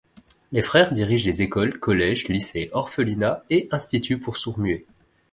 Les frères dirigent des écoles, collèges, lycées, orphelinats, et instituts pour sourds-muets.